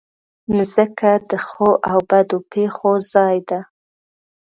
مځکه د ښو او بدو پېښو ځای ده.